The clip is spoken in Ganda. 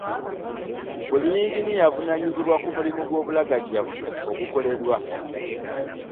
Buli yinginiya avunaanyizibwa ku mulimu gw'obulagajjavu ogukolebwa.